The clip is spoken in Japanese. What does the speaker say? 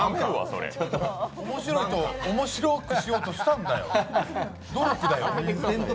おもしろくしようとしたんだよ努力だよ。